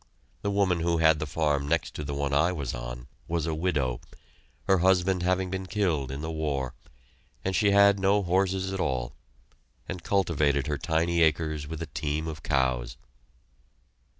The woman who had the farm next to the one I was on was a widow, her husband having been killed in the war, and she had no horses at all, and cultivated her tiny acres with a team of cows.